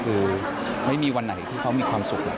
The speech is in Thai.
คือไม่มีวันไหนที่เขามีความสุขแล้ว